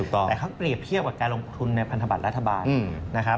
แต่เขาเปรียบเทียบกับการลงทุนในพันธบัตรรัฐบาลนะครับ